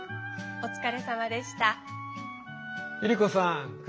お疲れさまでした。